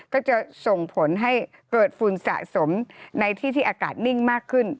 ก็จะส่งผลให้เกิดฝุ่นสะสมในที่ที่อากาศนิ่งมากขึ้น